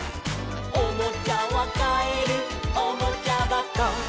「おもちゃはかえるおもちゃばこ」